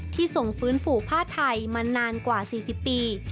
ที่ส่งฝืนฝู่ผ้าไทยมานานกว่า๔๐ปี